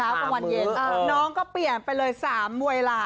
๓มื้อน้องก็เปลี่ยนไปเลย๓เวลา